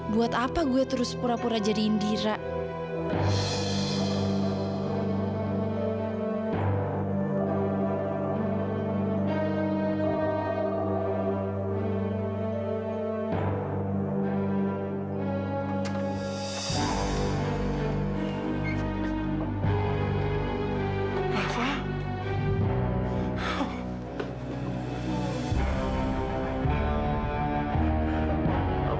buat apa gue terus pura pura jadi indira